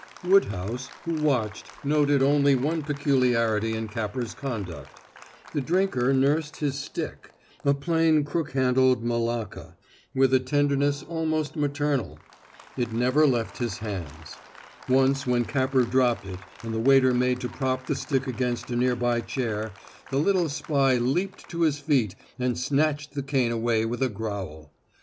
Woodhouse, who watched, noted only one peculiarity in Capper's conduct: The drinker nursed his stick, a plain, crook handled malacca, with a tenderness almost maternal. It never left his hands. Once when Capper dropped it and the waiter made to prop the stick against a near by chair, the little spy leaped to his feet and snatched the cane away with a growl.